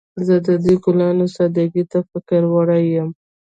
زه د دې ګلانو سادګۍ ته فکر وړی یم